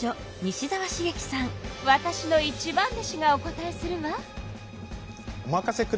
わたしの一番弟子がお答えするわ。